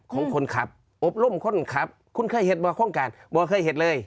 ของคนขับอบรุ่มคนขับคุณเคยเห็นบ่อโครงการบ่อเคยเห็นเลย